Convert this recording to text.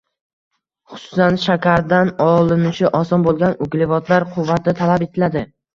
xususan shakardan olinishi oson bo‘lgan uglevodlar quvvati talab etiladi.